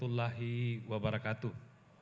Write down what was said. assalamu alaikum warahmatullahi wabarakatuh